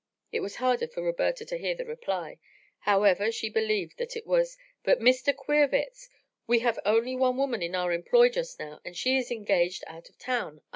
It was harder for Roberta to hear the reply. However she believed that it was: "But, Mr. Queerwitz, we only have one woman in our employ just now, and she is engaged out of town.